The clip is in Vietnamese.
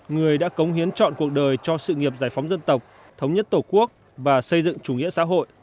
người đã cống hiến chọn cuộc đời cho sự nghiệp giải phóng dân tộc thống nhất tổ quốc và xây dựng chủ nghĩa xã hội